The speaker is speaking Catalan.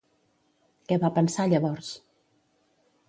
Què va pensar llavors?